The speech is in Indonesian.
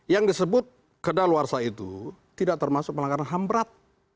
yang disebut kedah dalo warsa itu tidak termasuk pelanggaran ham berat